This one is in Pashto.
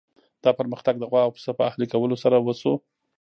دا پرمختګ د غوا او پسه په اهلي کولو سره وشو.